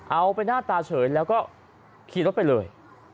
เอาไปหน้าตาเฉยแล้วก็ขี่รถไปเลย